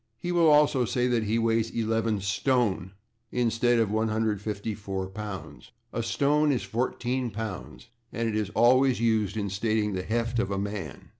He will also say that he weighs eleven /stone/ instead of 154 pounds. A /stone/ is 14 pounds, and it is always used in stating the heft of a man.